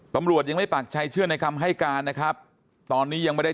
ตำรวจยังไม่ปากใจเชื่อในคำให้การนะครับตอนนี้ยังไม่ได้